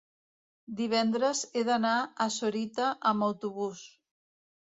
Divendres he d'anar a Sorita amb autobús.